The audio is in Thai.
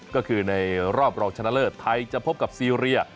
ก็คือในรอบรองชนะเลิศไทยจะพบกับซีเรีย